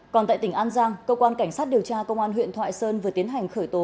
còn tại tỉnh an giang cơ quan cảnh sát điều tra công an huyện thoại sơn vừa tiến hành khởi tố